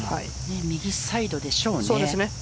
右サイドでしょうね。